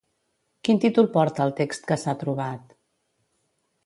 Quin títol porta el text que s'ha trobat?